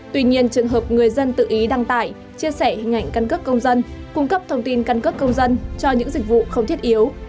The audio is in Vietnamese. tuy nhiên trường hợp người dân tự ý đăng tải chia sẻ hình ảnh căn cước công dân cung cấp thông tin căn cước công dân cho những dịch vụ không thiết yếu